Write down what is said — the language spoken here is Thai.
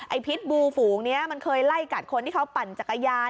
พิษบูฝูงนี้มันเคยไล่กัดคนที่เขาปั่นจักรยาน